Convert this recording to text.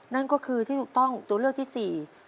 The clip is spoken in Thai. นั่นก็คือที่ถูกต้องตัวเลือกที่สี่